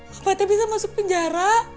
bapak tak bisa masuk penjara